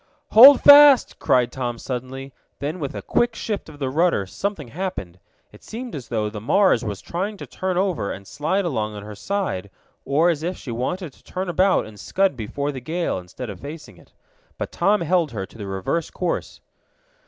"Hold fast!" cried Tom suddenly. Then with a quick shift of the rudder something happened. It seemed as though the Mars was trying to turn over, and slide along on her side, or as if she wanted to turn about and scud before the gale, instead of facing it. But Tom held her to the reverse course.